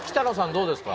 どうですか？